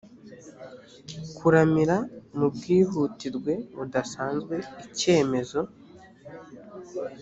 kuramira mu bwihutirwe budasanzwe icyemezo